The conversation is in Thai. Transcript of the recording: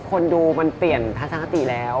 คนดูมันเปลี่ยนทักษะหน้าตีแล้ว